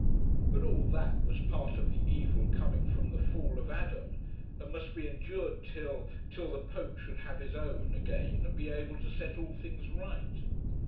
But all that was part of the evil coming from the fall of Adam, and must be endured till, till the Pope should have his own again, and be able to set all things right.